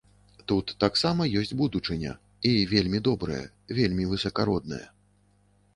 Тут таксама ёсць будучыня і вельмі добрая, вельмі высакародная.